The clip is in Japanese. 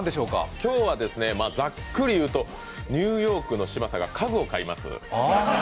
今日はざっくり言うとニューヨークの嶋佐が家具を買います。